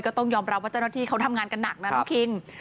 ก็ต้องยอมรับว่าเจ้าหน้าที่เขาทำงานกันหนักนะน้องคิง